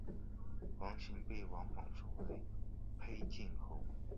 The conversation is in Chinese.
王寻被王莽封为丕进侯。